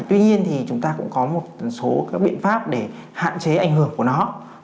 tuy nhiên thì chúng ta cũng có một số các biện pháp để hạn chế ảnh hưởng của nó